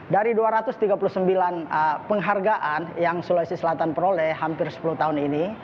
dari dua ratus tiga puluh sembilan penghargaan yang sulawesi selatan peroleh hampir sepuluh tahun ini